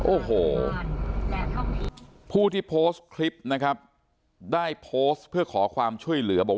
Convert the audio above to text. โอ้โหผู้ที่โพสต์คลิปนะครับได้โพสต์เพื่อขอความช่วยเหลือบอกว่า